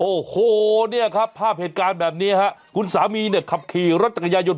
โอ้โหเนี่ยครับภาพเหตุการณ์แบบนี้ฮะคุณสามีเนี่ยขับขี่รถจักรยายนต